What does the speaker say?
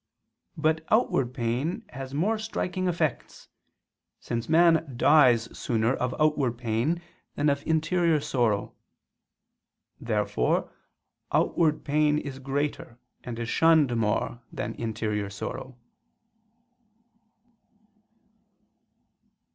But outward pain has more striking effects: since man dies sooner of outward pain than of interior sorrow. Therefore outward pain is greater and is shunned more than interior sorrow.